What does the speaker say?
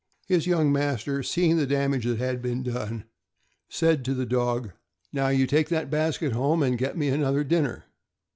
His young master, seeing the damage that had been done, said to the dog, "Now, you take that basket home, and get me another dinner."